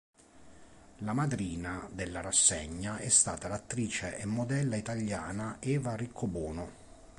La madrina della rassegna è stata l'attrice e modella italiana Eva Riccobono.